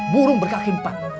burung berkaki empat